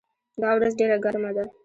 دا ورځ ډېره ګرمه ده.